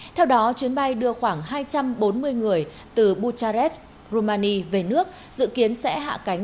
theo đó chuyến bay đưa khoảng hai trăm bốn mươi người từ buchares rumani về nước dự kiến sẽ hạ cánh